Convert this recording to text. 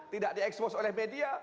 tidak diekspos oleh media